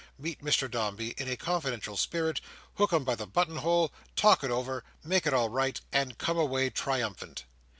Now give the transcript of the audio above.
—meet Mr Dombey in a confidential spirit—hook him by the button hole—talk it over—make it all right—and come away triumphant!